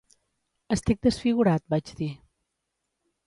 "Estic desfigurat", vaig dir.